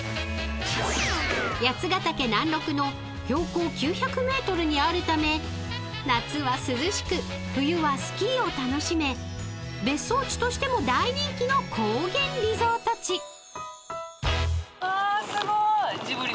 ［八ヶ岳南麓の標高９００ｍにあるため夏は涼しく冬はスキーを楽しめ別荘地としても大人気の高原リゾート地］わあ。